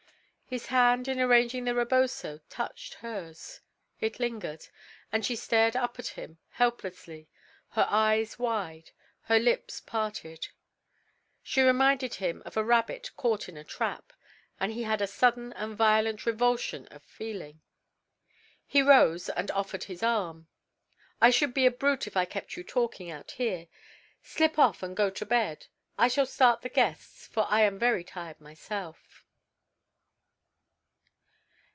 His hand in arranging the reboso touched hers. It lingered, and she stared up at him, helplessly, her eyes wide, her lips parted. She reminded him of a rabbit caught in a trap, and he had a sudden and violent revulsion of feeling. He rose and offered his arm. "I should be a brute if I kept you talking out here. Slip off and go to bed. I shall start the guests, for I am very tired myself."